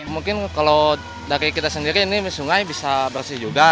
mungkin kalau dari kita sendiri ini sungai bisa bersih juga